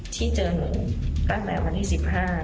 ที่เจอหนูตั้งแต่วันที่๑๕